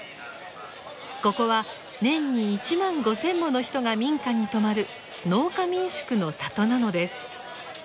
ここは年に１万５，０００もの人が民家に泊まる農家民宿の里なのです。